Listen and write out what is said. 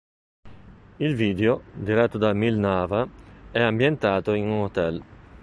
Il video, diretto da Emil Nava, è ambientato in un hotel.